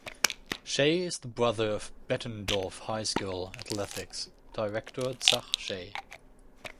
Shay is the brother of Bettendorf High School athletics director Zach Shay.